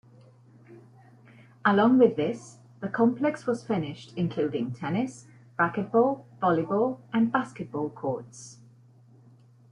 Along with this, the complex was finished including tennis, racquetball, volleyball, and basketball courts.